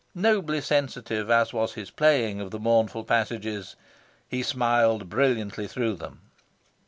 Nobly sensitive as was his playing of the mournful passages, he smiled brilliantly through them.